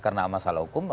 karena masalah hukum